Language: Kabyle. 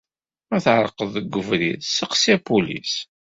Ma tɛerqeḍ deg ubrid, steqsi apulis.